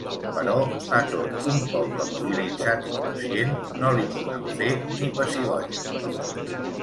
Però a tot un poble mobilitzat i conscient no li podran fer ni pessigolles.